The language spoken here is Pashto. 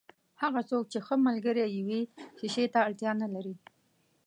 هغه څوک چې ښه ملګری يې وي، شیشې ته اړتیا نلري.